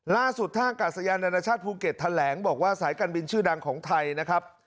ล่าสุดท่ากาศยานานาชาติภูเก็ตแถลงบอกว่าสายการบินชื่อดังของไทยนะครับ